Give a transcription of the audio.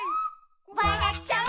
「わらっちゃう」